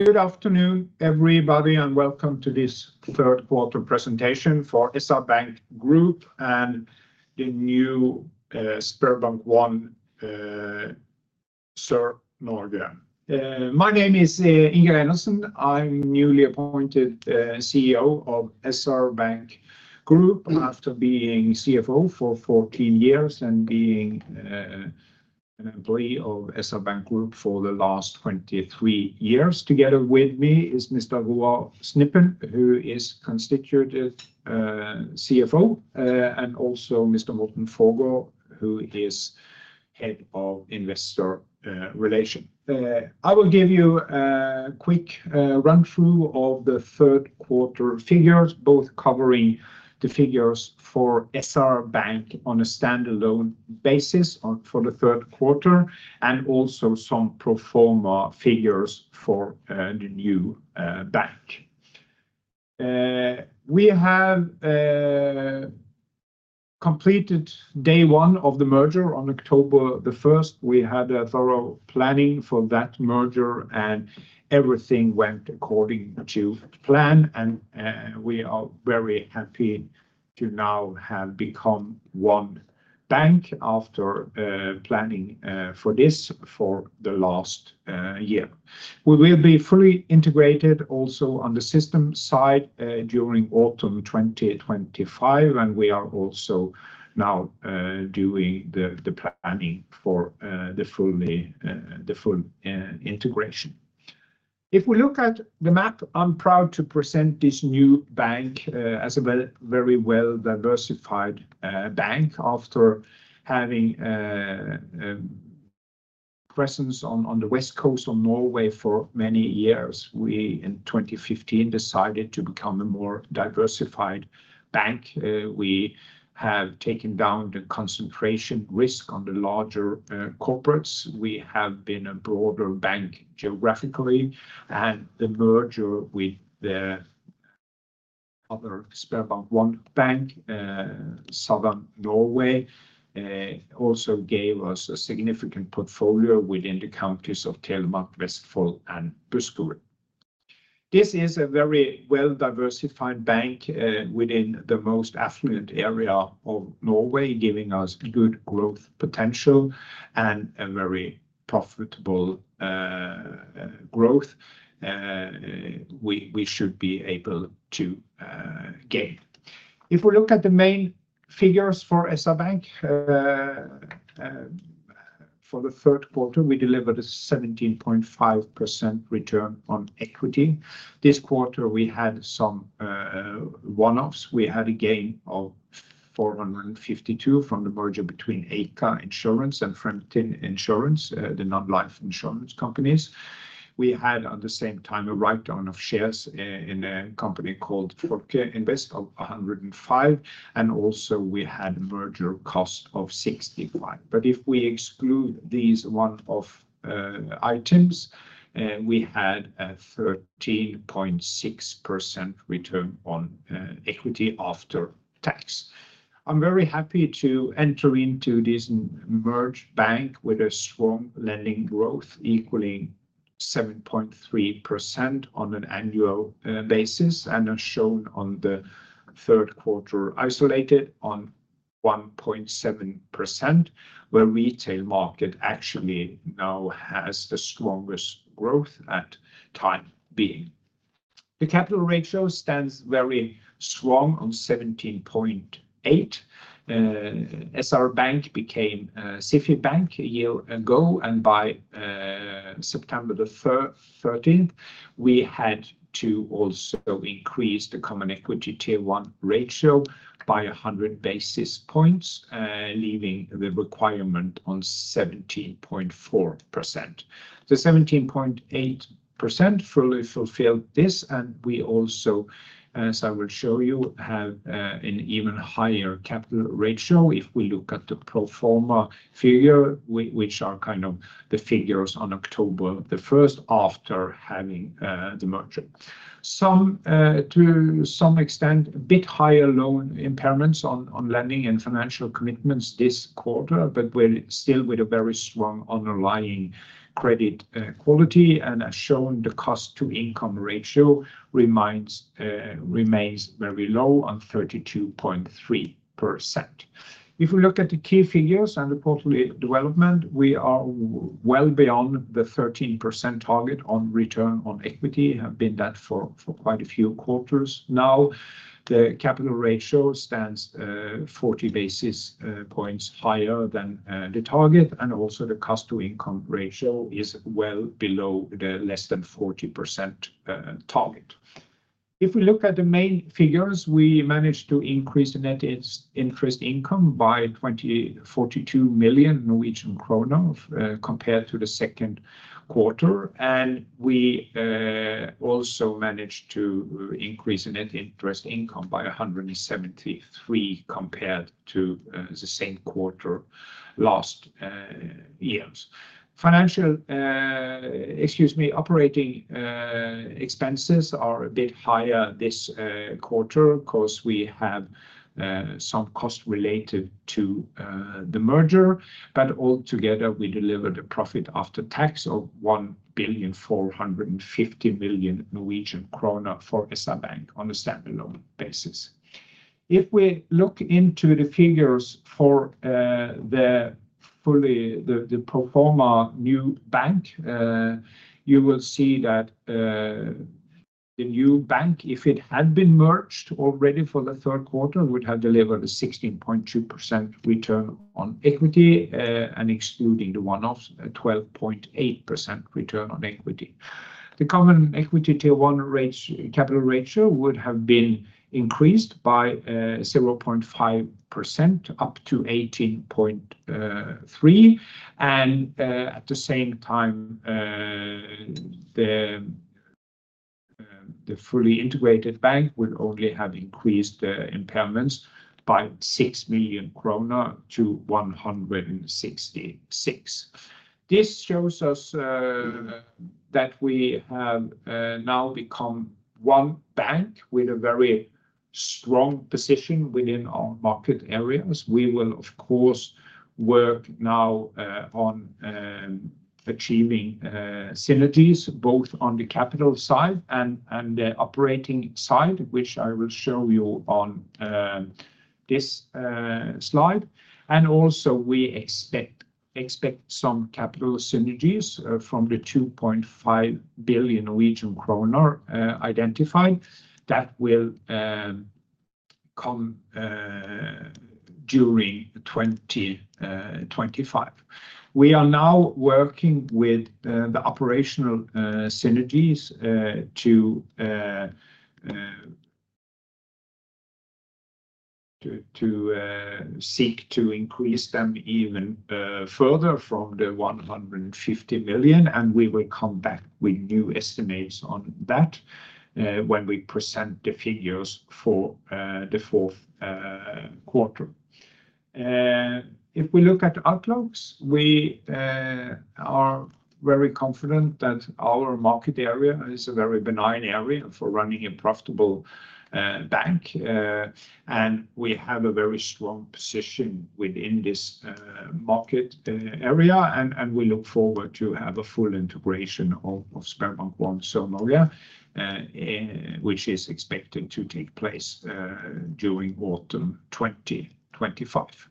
Good afternoon, everybody, and welcome to this Q3 presentation for SR-Bank Group and the new SpareBank 1 Sør-Norge. My name is Inge Reinertsen. I'm newly appointed CEO of SR-Bank Group after being CFO for 14 years and being an employee of SR-Bank Group for the last 23 years. Together with me is Mr. Roald Snippen, who is Executive CFO, and also Mr. Morten Forgaard, who is Head of Investor Relations. I will give you a quick run-through of the Q3 figures, both covering the figures for SR Bank on a standalone basis for the Q3 and also some pro forma figures for the new bank. We have completed day one of the merger on October 1st. We had a thorough planning for that merger, and everything went according to plan. We are very happy to now have become one bank after planning for this for the last year. We will be fully integrated also on the system side during autumn 2025, and we are also now doing the planning for the full integration. If we look at the map, I'm proud to present this new bank as a very well-diversified bank after having a presence on the West Coast of Norway for many years. We, in 2015, decided to become a more diversified bank. We have taken down the concentration risk on the larger corporates. We have been a broader bank geographically, and the merger with the other SpareBank 1 bank, Southern Norway, also gave us a significant portfolio within the counties of Telemark, Vestfold, and Buskerud. This is a very well-diversified bank within the most affluent area of Norway, giving us good growth potential and a very profitable growth we should be able to gain. If we look at the main figures for SR Bank for the Q3, we delivered a 17.5% return on equity. This quarter, we had some one-offs. We had a gain of 452 from the merger between Eika Insurance and Fremtind Insurance, the non-life insurance companies. We had, at the same time, a write-down of shares in a company called Folkeinvest of 105, and also we had a merger cost of 65. But if we exclude these one-off items, we had a 13.6% return on equity after tax. I'm very happy to enter into this merged bank with a strong lending growth, equaling 7.3% on an annual basis, and as shown on the Q3 isolated on 1.7%, where the retail market actually now has the strongest growth at the time being. The capital ratio stands very strong on 17.8%. SR Bank became an IRB bank a year ago, and by September 13th, we had to also increase the Common Equity Tier 1 ratio by 100 basis points, leaving the requirement on 17.4%. The 17.8% fully fulfilled this, and we also, as I will show you, have an even higher capital ratio if we look at the pro forma figure, which are kind of the figures on October 1st after having the merger. To some extent, a bit higher loan impairments on lending and financial commitments this quarter, but we're still with a very strong underlying credit quality, and as shown, the cost-to-income ratio remains very low on 32.3%. If we look at the key figures and the portfolio development, we are well beyond the 13% target on return on equity, have been that for quite a few quarters now. The capital ratio stands 40 basis points higher than the target, and also the cost-to-income ratio is well below the less than 40% target. If we look at the main figures, we managed to increase the net interest income by 2,042 million Norwegian kroner compared to the Q2, and we also managed to increase the net interest income by 173 million compared to the same quarter last year. Operating expenses are a bit higher this quarter because we have some cost related to the merger, but altogether, we delivered a profit after tax of 1 billion 450 million for SR Bank on a standalone basis. If we look into the figures for the pro forma new bank, you will see that the new bank, if it had been merged already for the Q3, would have delivered a 16.2% return on equity, and excluding the one-offs, a 12.8% return on equity. The Common Equity Tier 1 capital ratio would have been increased by 0.5% up to 18.3%, and at the same time, the fully integrated bank would only have increased the impairments by 6 million kroner to 166. This shows us that we have now become one bank with a very strong position within our market areas. We will, of course, work now on achieving synergies both on the capital side and the operating side, which I will show you on this slide. And also, we expect some capital synergies from the 2.5 billion Norwegian kroner identified that will come during 2025. We are now working with the operational synergies to seek to increase them even further from the 150 million, and we will come back with new estimates on that when we present the figures for the Q4. If we look at outlooks, we are very confident that our market area is a very benign area for running a profitable bank, and we have a very strong position within this market area, and we look forward to have a full integration of SpareBank 1 Sør-Norge, which is expected to take place during autumn 2025.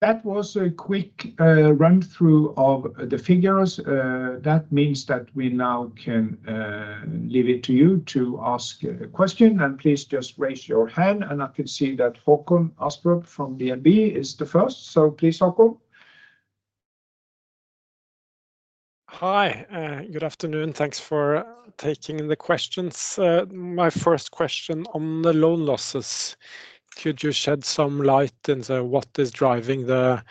That was a quick run-through of the figures. That means that we now can leave it to you to ask a question, and please just raise your hand, and I can see that Håkon Asplund from DNB is the first, so please, Håkon. Hi, good afternoon. Thanks for taking the questions. My first question on the loan losses. Could you shed some light into what is driving the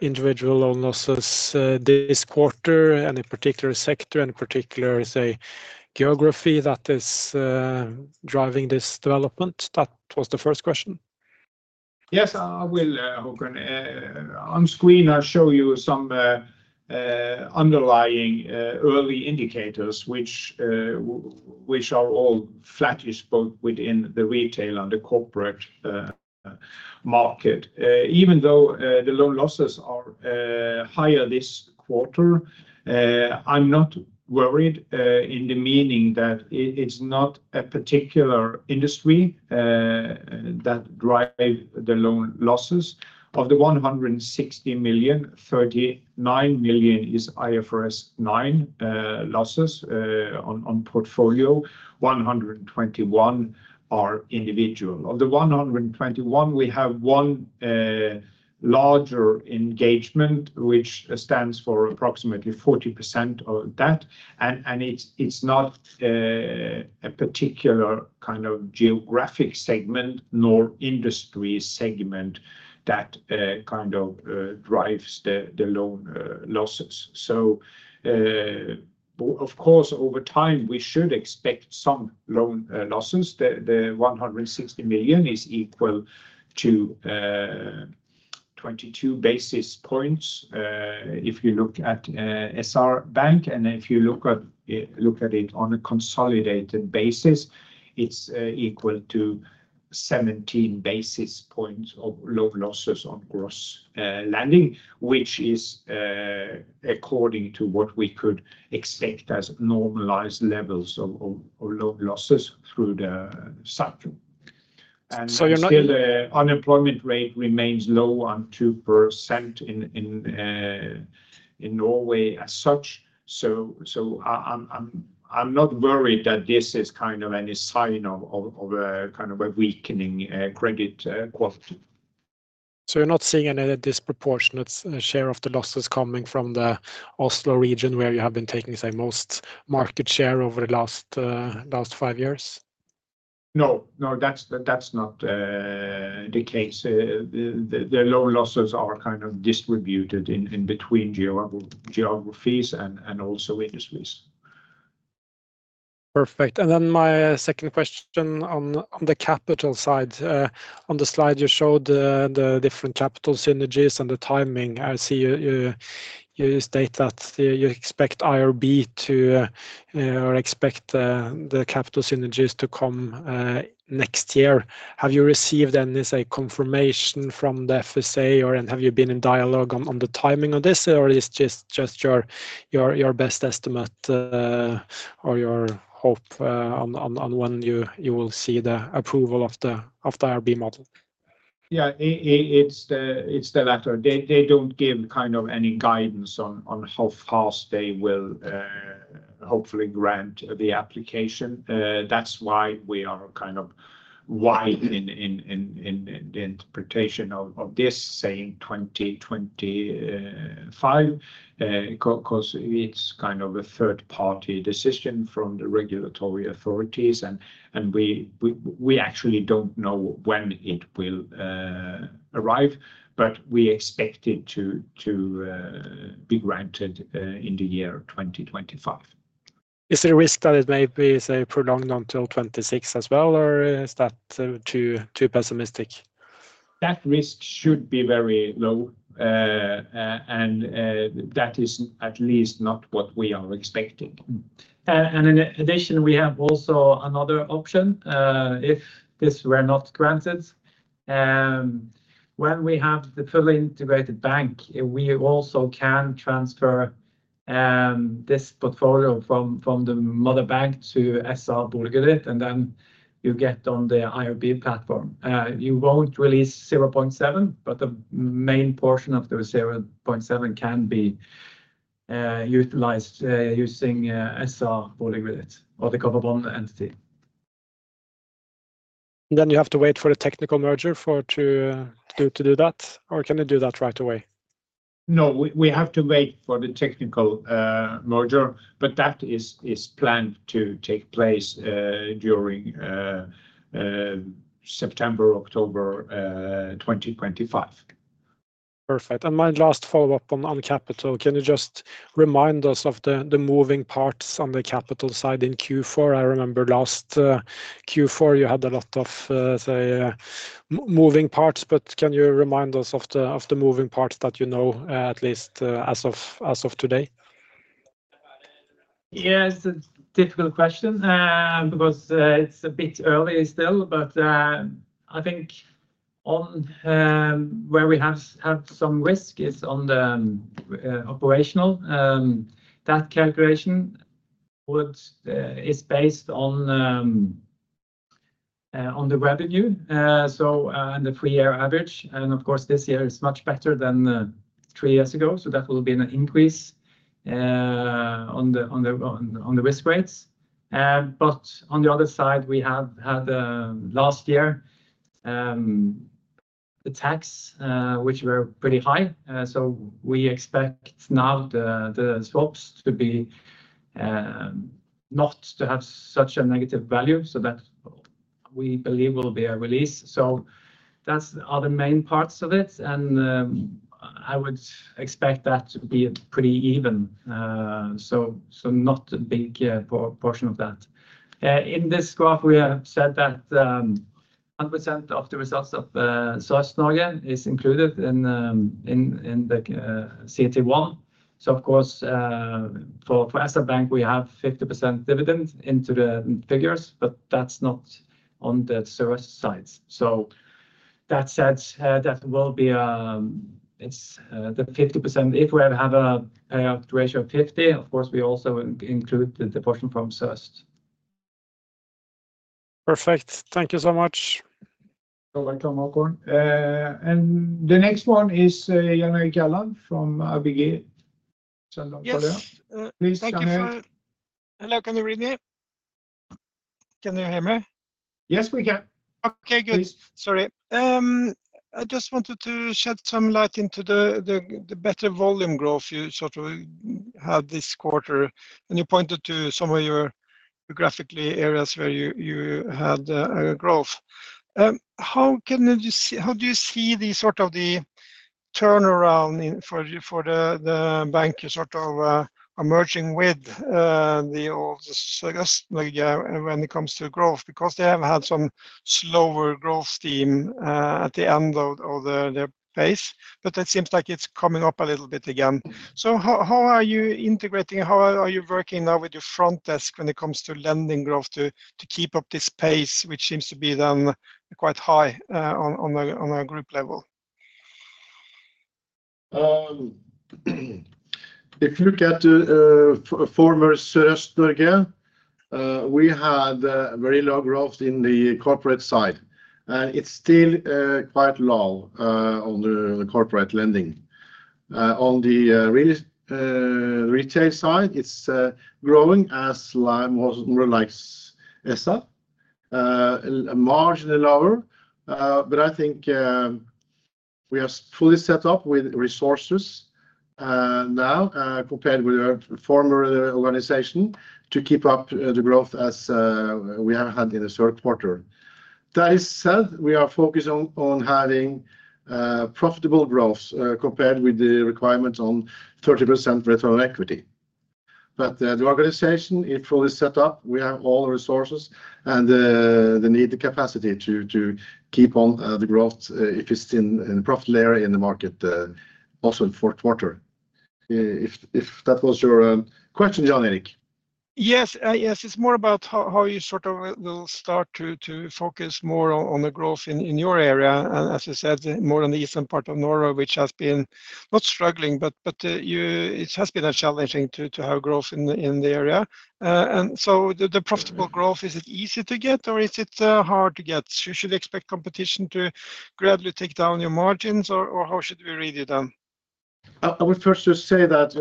individual loan losses this quarter, any particular sector, any particular geography that is driving this development? That was the first question. Yes, I will, Håkon. On screen, I'll show you some underlying early indicators, which are all flattish both within the retail and the corporate market. Even though the loan losses are higher this quarter, I'm not worried in the meaning that it's not a particular industry that drives the loan losses. Of the 160 million, 39 million is IFRS 9 losses on portfolio. 121 million are individual. Of the 121 million, we have one larger engagement, which stands for approximately 40% of that, and it's not a particular kind of geographic segment nor industry segment that kind of drives the loan losses. So, of course, over time, we should expect some loan losses. The 160 million is equal to 22 basis points. If you look at SR Bank, and if you look at it on a consolidated basis, it's equal to 17 basis points of loan losses on gross lending, which is according to what we could expect as normalized levels of loan losses through the cycle. You're not. Unemployment rate remains low at 2% in Norway as such, so I'm not worried that this is kind of any sign of kind of a weakening credit quality. So you're not seeing any disproportionate share of the losses coming from the Oslo region, where you have been taking most market share over the last five years? No, no, that's not the case. The loan losses are kind of distributed in between geographies and also industries. Perfect. And then my second question on the capital side. On the slide, you showed the different capital synergies and the timing. I see you state that you expect IRB to or expect the capital synergies to come next year. Have you received any confirmation from the FSA, or have you been in dialogue on the timing of this, or is this just your best estimate or your hope on when you will see the approval of the IRB model? Yeah, it's the latter. They don't give kind of any guidance on how fast they will hopefully grant the application. That's why we are kind of wide in the interpretation of this, saying 2025, because it's kind of a third-party decision from the regulatory authorities, and we actually don't know when it will arrive, but we expect it to be granted in the year 2025. Is there a risk that it may be prolonged until 2026 as well, or is that too pessimistic? That risk should be very low, and that is at least not what we are expecting. In addition, we have also another option if this were not granted. When we have the fully integrated bank, we also can transfer this portfolio from the mother bank to SR-Boligkreditt, and then you get on the IRB platform. You won't release 0.7, but the main portion of the 0.7 can be utilized using SR-Boligkreditt or the government entity. Then you have to wait for the technical merger to do that, or can you do that right away? No, we have to wait for the technical merger, but that is planned to take place during September, October 2025. Perfect. And my last follow-up on capital. Can you just remind us of the moving parts on the capital side in Q4? I remember last Q4, you had a lot of moving parts, but can you remind us of the moving parts that you know, at least as of today? Yes, it's a difficult question because it's a bit early still, but I think where we have some risk is on the operational. That calculation is based on the revenue and the three-year average, and of course, this year is much better than three years ago, so that will be an increase on the risk rates. But on the other side, we have had last year the tax, which were pretty high, so we expect now the swaps to be not to have such a negative value, so that we believe will be a release. So that's the other main parts of it, and I would expect that to be pretty even, so not a big portion of that. In this graph, we have said that 100% of the results of Sør-Norge is included in the CET1, so of course, for SR Bank, we have 50% dividend into the figures, but that's not on the Sør side. So that said, that will be the 50%. If we have a payout ratio of 50%, of course, we also include the portion from Sørøst. Perfect. Thank you so much. You're welcome, Håkon. And the next one is Jan Erik Gjerland from ABG. Hello, can you read me? Can you hear me? Yes, we can. Okay, good. Sorry. I just wanted to shed some light into the better volume growth you sort of had this quarter, and you pointed to some of your geographic areas where you had a growth. How do you see the sort of the turnaround for the bank sort of emerging with the old Sør-Norge when it comes to growth? Because they have had some slower growth than at the end of the phase, but it seems like it's coming up a little bit again. So how are you integrating? How are you working now with your front line when it comes to lending growth to keep up this pace, which seems to be then quite high on a group level? If you look at former Sør-Norge, we had very low growth in the corporate side, and it's still quite low on the corporate lending. On the retail side, it's growing as more like SR, marginally lower, but I think we are fully set up with resources now compared with our former organization to keep up the growth as we have had in the Q3. That is said, we are focused on having profitable growth compared with the requirements on 30% return on equity. But the organization, it's fully set up. We have all the resources and the need and capacity to keep on the growth if it's in the profit layer in the market also in the Q4. If that was your question, Jan-Erik? Yes, yes. It's more about how you sort of will start to focus more on the growth in your area, and as you said, more on the eastern part of Norway, which has been not struggling, but it has been challenging to have growth in the area. And so the profitable growth, is it easy to get, or is it hard to get? Should you expect competition to gradually take down your margins, or how should we read it then? I would first just say that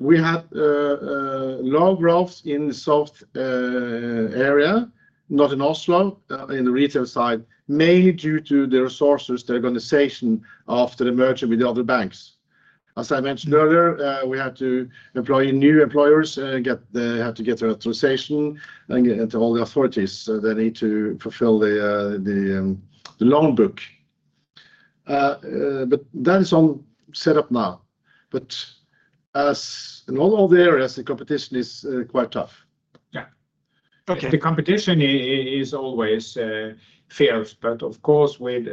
we had low growth in the south area, not in Oslo, in the retail side, mainly due to the resources organization after the merger with the other banks. As I mentioned earlier, we had to employ new employees, had to get the authorization and all the authorities that need to fulfill the loan book. But that is all set up now. But as in all the areas, the competition is quite tough. Yeah. Okay. The competition is always fierce, but of course, with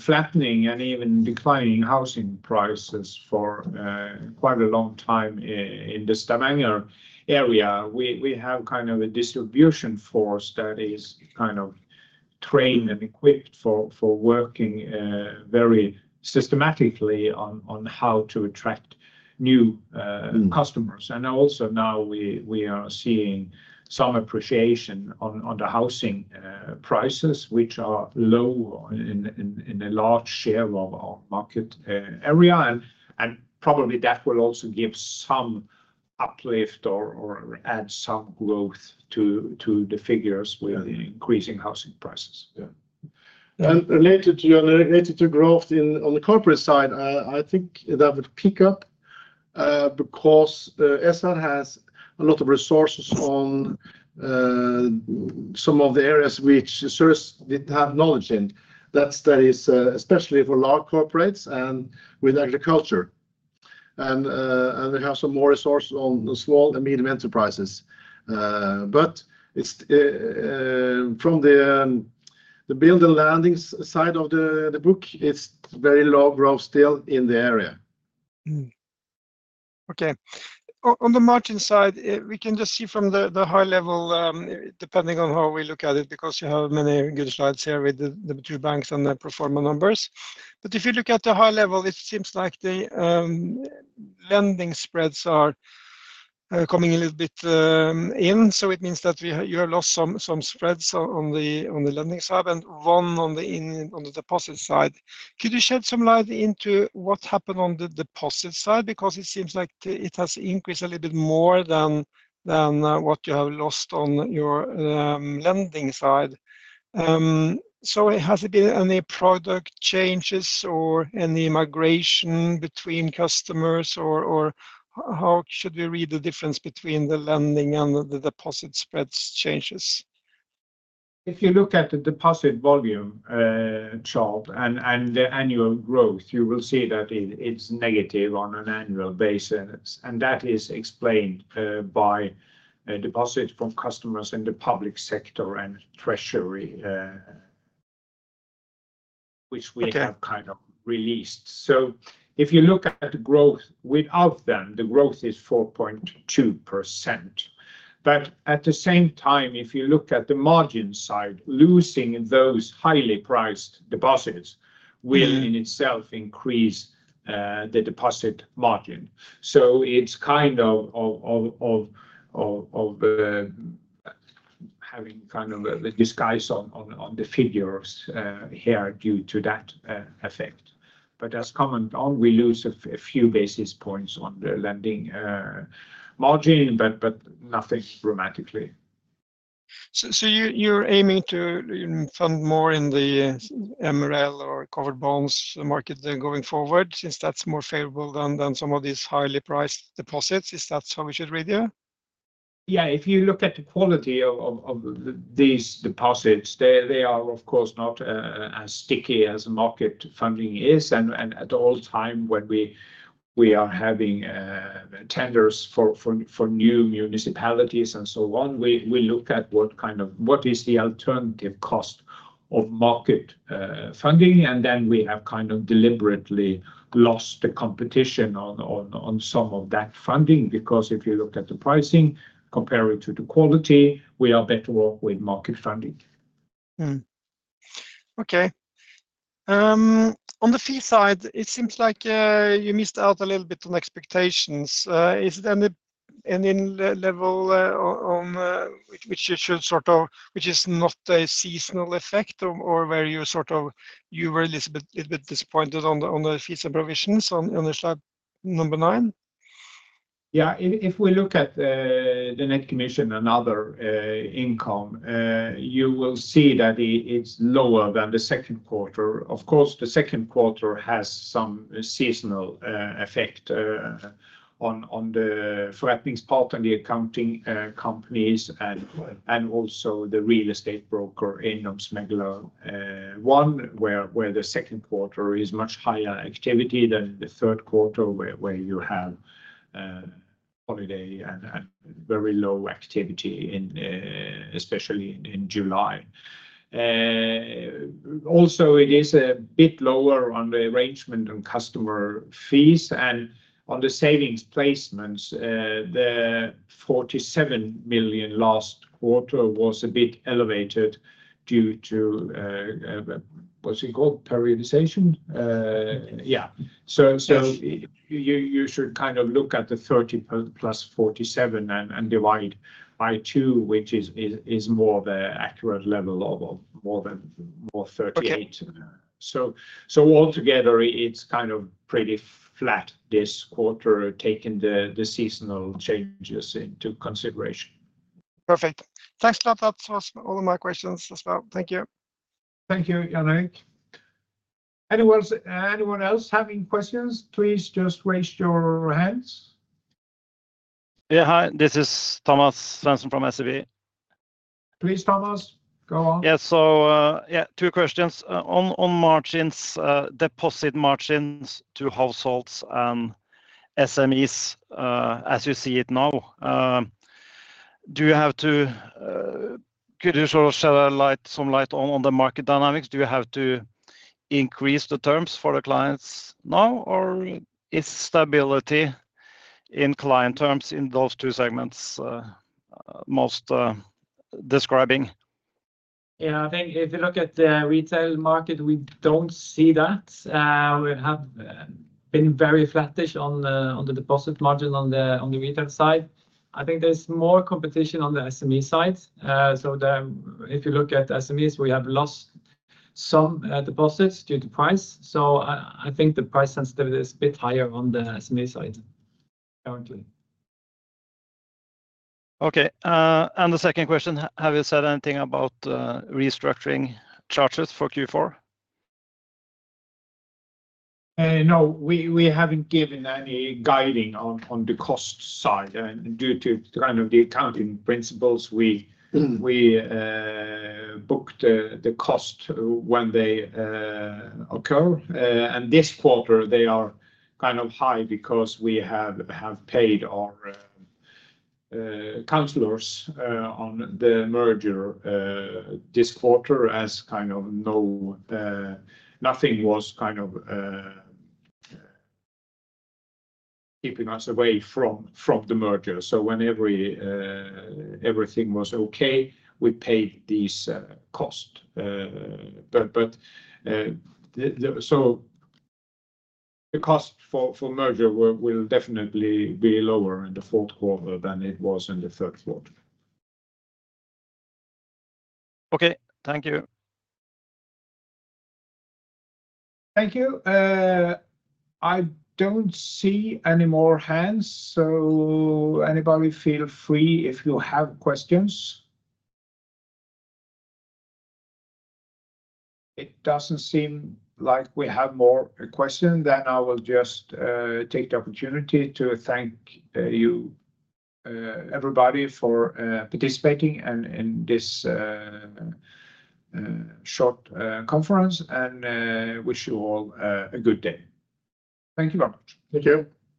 flattening and even declining housing prices for quite a long time in the Stavanger area, we have kind of a distribution force that is kind of trained and equipped for working very systematically on how to attract new customers. And also now we are seeing some appreciation on the housing prices, which are low in a large share of our market area, and probably that will also give some uplift or add some growth to the figures with increasing housing prices. Yeah. And related to growth on the corporate side, I think that would pick up because SR has a lot of resources on some of the areas which Sør-Norge didn't have knowledge in. That is especially for large corporates and with agriculture. And they have some more resources on small and medium enterprises. From the building and lending side of the book, it's very low growth still in the area. Okay. On the margin side, we can just see from the high level, depending on how we look at it, because you have many good slides here with the two banks and the performance numbers. But if you look at the high level, it seems like the lending spreads are coming a little bit in, so it means that you have lost some spreads on the lending side and one on the deposit side. Could you shed some light into what happened on the deposit side? Because it seems like it has increased a little bit more than what you have lost on your lending side. So has it been any product changes or any migration between customers, or how should we read the difference between the lending and the deposit spreads changes? If you look at the deposit volume, Charles, and the annual growth, you will see that it's negative on an annual basis, and that is explained by deposits from customers in the public sector and treasury, which we have kind of released. So if you look at the growth without them, the growth is 4.2%. But at the same time, if you look at the margin side, losing those highly priced deposits will in itself increase the deposit margin. So it's kind of having kind of a disguise on the figures here due to that effect. But as we come down, we lose a few basis points on the lending margin, but nothing dramatically. So you're aiming to fund more in the MREL or covered bonds market going forward, since that's more favorable than some of these highly priced deposits. Is that how we should read it? Yeah. If you look at the quality of these deposits, they are of course not as sticky as market funding is, and at all times when we are having tenders for new municipalities and so on, we look at what is the alternative cost of market funding, and then we have kind of deliberately lost the competition on some of that funding. Because if you look at the pricing, compare it to the quality, we are better off with market funding. Okay. On the fee side, it seems like you missed out a little bit on expectations. Is there any level on which you should sort of, which is not a seasonal effect, or where you were a little bit disappointed on the fees and provisions on the slide number nine? Yeah. If we look at the net commission and other income, you will see that it's lower than the Q2. Of course, the Q2 has some seasonal effect on the factoring part and the accounting companies and also the real estate broker in Eiendomsmegler 1, where the Q2 is much higher activity than the Q3, where you have holiday and very low activity, especially in July. Also, it is a bit lower on the arrangement and customer fees, and on the savings placements, the 47 million last quarter was a bit elevated due to what's it called, periodization? Yeah. So you should kind of look at the 30 million plus 47 million and divide by two, which is more of an accurate level of more than 38 million. So altogether, it's kind of pretty flat this quarter, taking the seasonal changes into consideration. Perfect. Thanks, Tom. That was all my questions, as well. Thank you. Thank you, Jan Erik. Anyone else having questions? Please just raise your hands. Yeah. Hi. This is Thomas Svendsen from SEB. Please, Thomas. Go on. Yeah. So yeah, two questions. On margins, deposit margins to households and SMEs, as you see it now, do you have to, could you sort of shed some light on the market dynamics? Do you have to increase the terms for the clients now, or is stability in client terms in those two segments most describing? Yeah. I think if you look at the retail market, we don't see that. We have been very flattish on the deposit margin on the retail side. I think there's more competition on the SME side. So if you look at SMEs, we have lost some deposits due to price. So I think the price sensitivity is a bit higher on the SME side currently. Okay. And the second question, have you said anything about restructuring charges for Q4? No. We haven't given any guidance on the cost side due to kind of the accounting principles. We booked the cost when they occur, and this quarter, they are kind of high because we have paid our consultants on the merger this quarter as kind of nothing was kind of keeping us away from the merger, so when everything was okay, we paid these costs, but so the cost for merger will definitely be lower in the Q4 than it was in the third quarter. Okay. Thank you. Thank you. I don't see any more hands, so anybody feel free if you have questions. It doesn't seem like we have more questions, then I will just take the opportunity to thank you, everybody, for participating in this short conference and wish you all a good day. Thank you very much. Thank you.